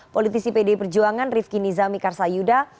politisi pd perjuangan rifki nizami karsayuda